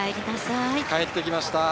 帰ってきました。